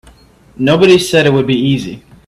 Nobody said it would be easy.